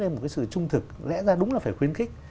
một cái sự trung thực lẽ ra đúng là phải khuyến khích